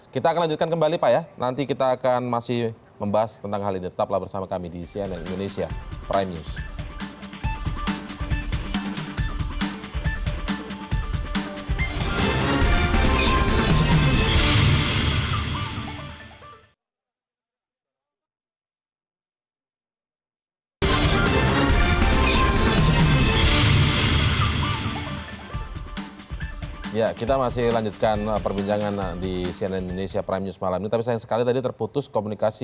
kita akan lanjutkan kembali pak ya